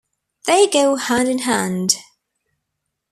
They go hand-in-hand.